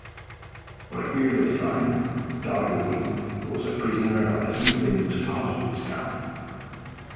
For a period of time, Targownik was a prisoner at the infamous Auschwitz camp.